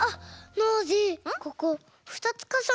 ノージーここふたつかさなってるよ。